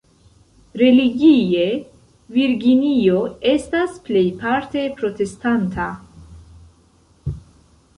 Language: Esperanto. Religie, Virginio estas plejparte protestanta.